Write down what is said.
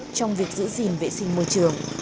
trong việc giữ gìn vệ sinh môi trường